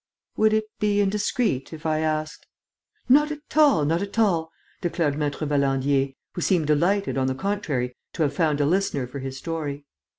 "Would it be indiscreet, if I asked ...?" "Not at all, not at all," declared Maître Valandier, who seemed delighted, on the contrary, to have found a listener for his story.